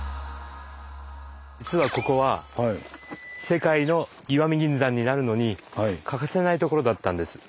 実はここは「世界の石見銀山」になるのに欠かせないところだったんです。